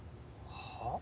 はあ？